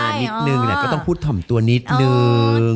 นิดนึงแหละก็ต้องพูดถ่อมตัวนิดนึง